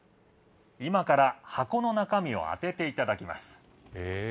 ・今から箱の中身を当てていただきます・え！